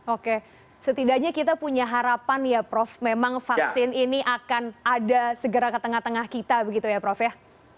oke setidaknya kita punya harapan ya prof memang vaksin ini akan ada segera ke tengah tengah kita begitu ya prof ya